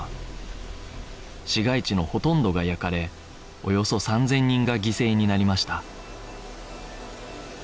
市街地のほとんどが焼かれおよそ３０００人が犠牲になりました